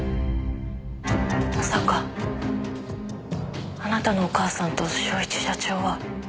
まさかあなたのお母さんと祥一社長は。